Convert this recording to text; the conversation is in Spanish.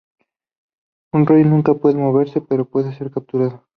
Un Rey nunca puede moverse, pero puede ser capturado.